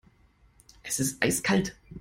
Es ist eiskalt.